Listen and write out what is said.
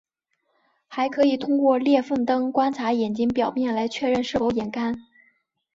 还可以通过裂缝灯观察眼睛表面来确认是否眼干。